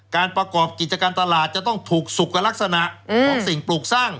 ประกอบกิจการตลาดจะต้องถูกสุขกับลักษณะของสิ่งปลูกสร้าง